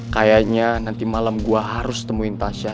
kayaknya nanti malam gue harus temuin tasha